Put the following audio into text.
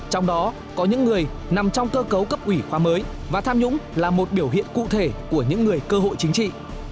trong đó có những người nằm trong cơ cấu cấp ủy khoa mới và tham nhũng là một biểu hiện cụ thể của những người cơ hội chính trị